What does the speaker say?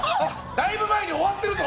だいぶ前に終わってるぞ！